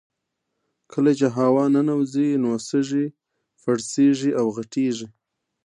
کله چې هوا ننوځي نو سږي پړسیږي او غټیږي